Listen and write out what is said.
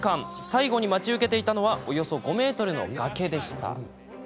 最後に待ち受けていたのはおよそ５ｍの崖でした。